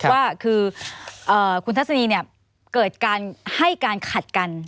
ว่าคุณทัศนีนะเกิดการให้การขัดกัน